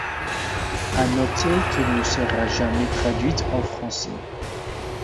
À noter qu'elle ne sera jamais traduite en français.